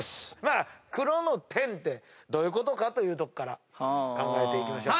⁉「黒」の「天」ってどういうことかというとこから考えましょう。